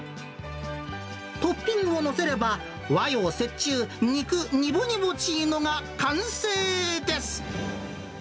トッピングを載せれば、和洋折衷、肉にぼにぼちーのが完成です。